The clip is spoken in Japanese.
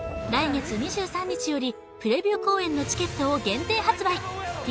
来月２３日よりプレビュー公演のチケットを限定発売